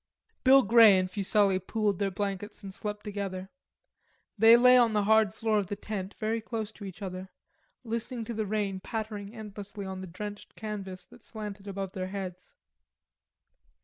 " Bill Grey and Fuselli pooled their blankets and slept together. They lay on the hard floor of the tent very close to each other, listening to the rain pattering endlessly on the drenched canvas that slanted above their heads.